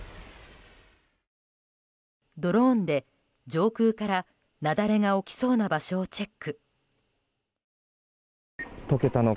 ドローンで上空から、雪崩が起きそうな場所をチェック。